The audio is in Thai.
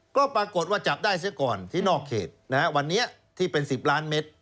ก็ปรากฏว่าจับได้เสียก่อนที่นอกเขตวันนี้ที่เป็น๑๐ล้านเมตร